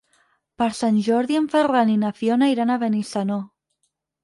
Per Sant Jordi en Ferran i na Fiona iran a Benissanó.